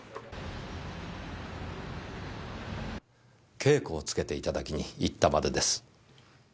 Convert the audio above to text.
稽古をつけていただきに行ったまでです。